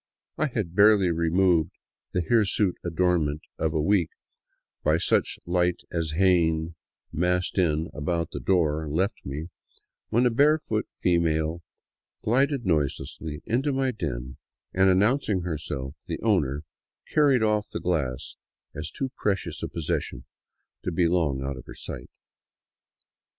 I had barely removed the hirsute adornment of a week by such light as Jaen, massed in and about the door, left me, when a barefoot female glided noiselessly into my den and, announcing herself the owner, carried off the glass as too precious a possession to be long out of her sight.